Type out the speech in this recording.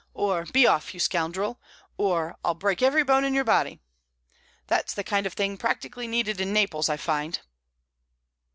or 'Be off, you scoundrel!' or 'I'll break every bone in your body!' That's the kind of thing practically needed in Naples, I find."